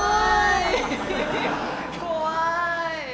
怖い！